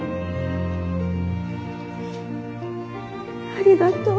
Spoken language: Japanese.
ありがとう。